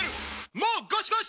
もうゴシゴシ！